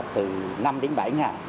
từ năm đến bảy ngày